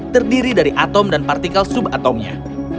terdiri dari atom dan partikel subatomnya